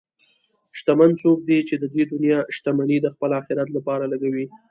شتمن څوک دی چې د دنیا شتمني د خپل آخرت لپاره لګوي.